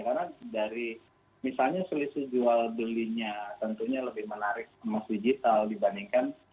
karena dari misalnya selisih jual dulinya tentunya lebih menarik emas digital dibandingkan